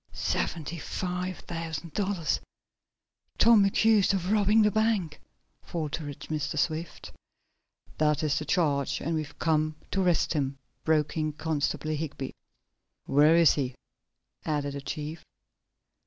"Seventy five thousand dollars! Tom accused of robbing the bank!" faltered Mr. Swift. "That is the charge, and we've come to arrest him," broke in Constable Higby. "Where is he?" added the chief.